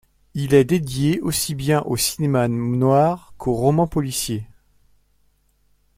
Il est dédié aussi bien au cinéma noir qu'aux romans policiers.